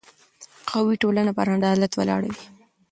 قوي ټولنه پر عدالت ولاړه وي